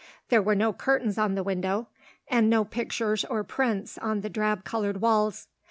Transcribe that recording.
There were no curtains on the window, and no pictures or prints on the drab coloured walls.